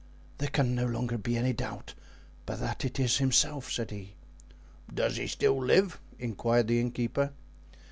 "There can be no longer any doubt but that it is himself," said he. "Does he still live?" inquired the innkeeper.